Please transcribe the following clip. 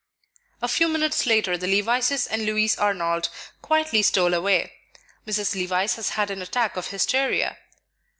A few minutes later the Levices and Louis Arnold quietly stole away. Mrs. Levice has had an attack of hysteria.